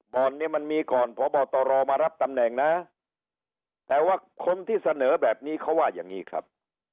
เนี่ยมันมีก่อนพบตรมารับตำแหน่งนะแต่ว่าคนที่เสนอแบบนี้เขาว่าอย่างนี้ครับ